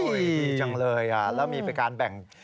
ดีจังเลยแล้วมีการแบ่ง